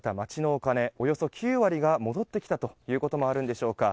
およそ９割が戻ってきたということもあるんでしょうか